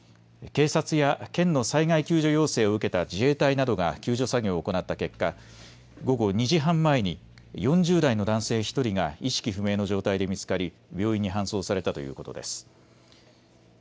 警察や県の災害救助要請を受けた自衛隊などが救助作業を行った結果、午後２時半前に４０代の男性１人が意識不明の状態で見つかり病院に搬送されたということです。